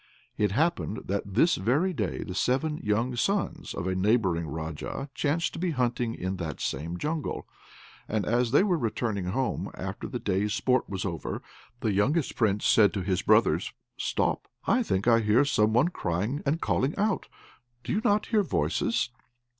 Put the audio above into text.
It so happened that this very day the seven young sons of a neighbouring Raja chanced to be hunting in that same jungle, and as they were returning home, after the day's sport was over, the youngest Prince said to his brothers: "Stop, I think I hear some one crying and calling out. Do you not hear voices?